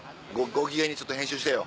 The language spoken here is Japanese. ご機嫌にちょっと編集してよ。